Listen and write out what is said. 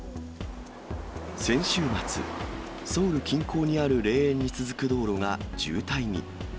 先週末、ソウル近郊にある霊園に続く道路が渋滞に。